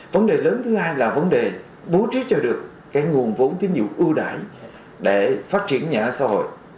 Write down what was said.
vấn đề lớn thứ hai là vấn đề bố trí cho được cái nguồn vốn tín dụng ưu đại để phát triển nhà ở xã hội